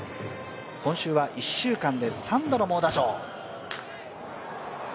今週は１週間で３度の猛打賞。